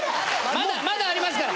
まだまだありますから！